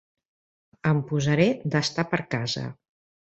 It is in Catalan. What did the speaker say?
Em posaré d'estar per casa.